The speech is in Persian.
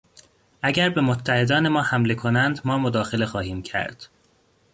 اگر به متحدان ما حمله کنند ما مداخله خواهیم کرد.